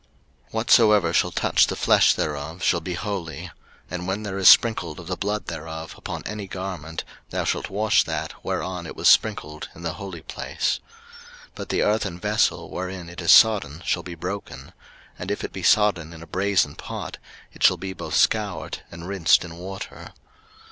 03:006:027 Whatsoever shall touch the flesh thereof shall be holy: and when there is sprinkled of the blood thereof upon any garment, thou shalt wash that whereon it was sprinkled in the holy place. 03:006:028 But the earthen vessel wherein it is sodden shall be broken: and if it be sodden in a brasen pot, it shall be both scoured, and rinsed in water.